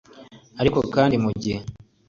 ariko kandi ni mu gihe